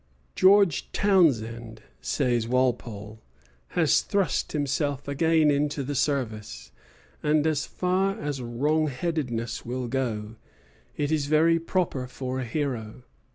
"George Townshend," says Walpole, "has thrust himself again into the service; and, as far as wrongheadedness will go, is very proper for a hero."